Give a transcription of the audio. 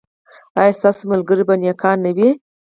ایا ستاسو ملګري به نیکان نه وي؟